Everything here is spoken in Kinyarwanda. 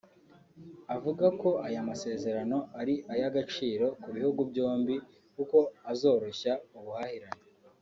avuga ko aya masezerano ari ay’agaciro ku bihugu byombi kuko azoroshya ubuhahirane